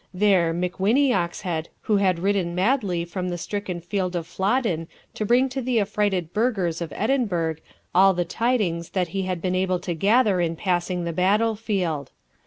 There McWhinnie Oxhead who had ridden madly from the stricken field of Flodden to bring to the affrighted burghers of Edinburgh all the tidings that he had been able to gather in passing the battlefield.